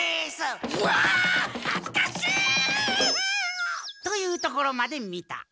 うわはずかしい！というところまで見た。